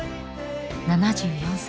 ７４歳。